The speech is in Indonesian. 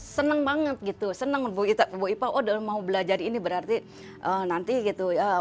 senang banget gitu senang bu ipa mau belajar ini berarti nanti gitu ya